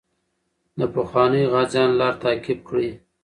د پخوانیو غازیانو لار تعقیب کړئ.